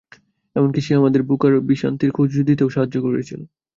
এমনকি সে আমাদের বুক অব ভিশান্তির খোঁজ দিতেও সাহায্য করেছিল।